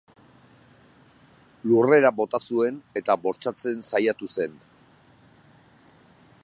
Lurrera bota zuen eta bortxatzen saiatu zen.